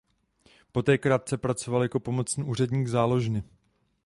Poté krátce pracoval jako pomocný úředník záložny.